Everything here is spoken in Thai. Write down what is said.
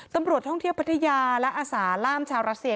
ตำรวจท่องเที่ยวพัทยาและอาสาล่ามชาวรัสเซีย